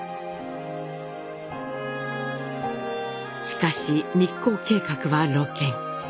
しかし密航計画は露見。